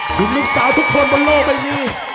ช่วงลูกสาวทุกคนบนโลกไม่มี